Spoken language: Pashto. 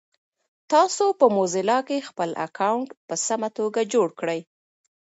تاسو په موزیلا کې خپل اکاونټ په سمه توګه جوړ کړی؟